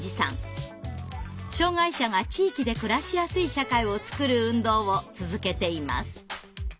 障害者が地域で暮らしやすい社会をつくる運動を続けています。